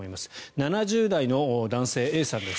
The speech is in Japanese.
７０代の男性、Ａさんです。